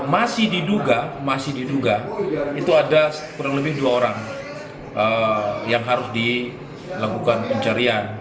masih diduga masih diduga itu ada kurang lebih dua orang yang harus dilakukan pencarian